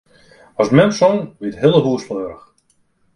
As mem song, wie it hiele hûs fleurich.